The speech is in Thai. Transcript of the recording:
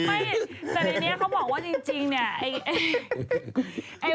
แต่ในนี้เขาบอกว่าจริงนี่